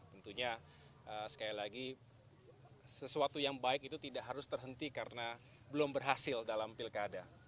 tentunya sekali lagi sesuatu yang baik itu tidak harus terhenti karena belum berhasil dalam pilkada